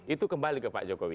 itu kembali ke pak jokowi